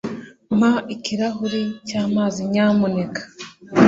mpa ikirahuri cyamazi, nyamuneka